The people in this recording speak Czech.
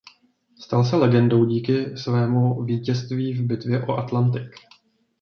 Stal se legendou díky svému vítězství v bitvě o Atlantik.